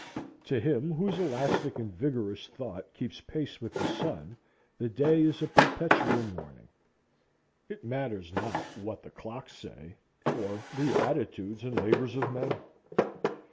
To him whose elastic and vigorous thought keeps pace with the sun, the day is a perpetual morning. It matters not what the clocks say or the attitudes and labors of men.